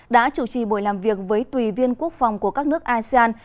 đã chủ trì buổi làm việc với tùy viên quốc phòng của các nước asean